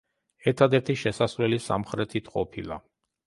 ერთადერთი შესასვლელი სამხრეთით ყოფილა.